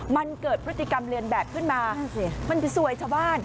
มันเกิดพฤติกรรมเรียนแบบขึ้นมามันจะซวยชาวบ้าน